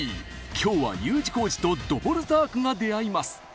今日はＵ字工事とドボルザークが出会います！